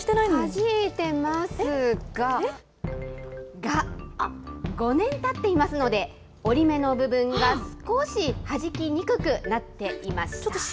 はじいてますが、５年たっていますので、折り目の部分が少しはじきにくくなっていました。